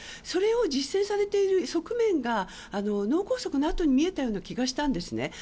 それを実践されている側面が脳梗塞のあとに見えたような気がしたんですね。